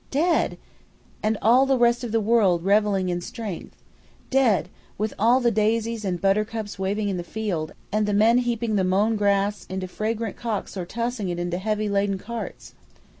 Dead! And all the rest of the world reveling in strength. Dead! With all the daisies and buttercups waving in the fields and the men heaping the mown grass into fragrant cocks or tossing it into heavily laden carts.